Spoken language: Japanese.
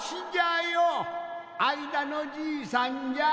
あいだのじいさん？